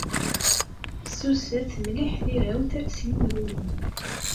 Fessuset mliḥ tirawt s yemru-inu.